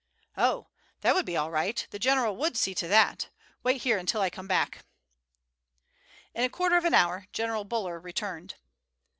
"Oh, that would be all right! the general would see to that. Wait here until I come back." In a quarter of a hour General Buller returned.